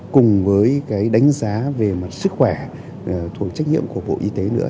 cùng với cái đánh giá về mặt sức khỏe thuộc trách nhiệm của bộ y tế nữa